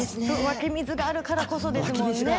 湧き水があるからこそですもんね